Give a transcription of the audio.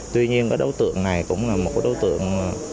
tuy nhiên cái đối tượng này cũng là một cái đối tượng